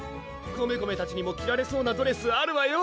コメコメたちにも着られそうなドレスあるわよ